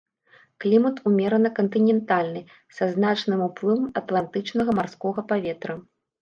Клімат умерана-кантынентальны, са значным уплывам атлантычнага марскога паветра.